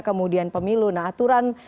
kemudian pemilu nah aturan